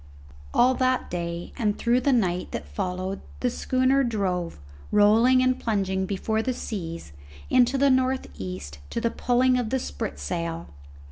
All that day and through the night that followed the schooner drove, rolling and plunging before the seas, into the north east, to the pulling of the spritsail.